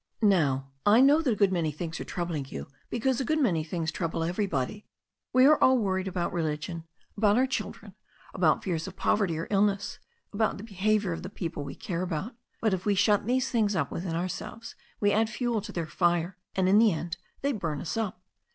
"Now I know that a good many things are troubling you, because a good many things trouble everybody. We are all worried about religion, about our children, about fears of poverty or illness, about the behaviour of the people we care about. But if we shut these things up within ourselves we add fuel to their fire, and in the end they burn us up.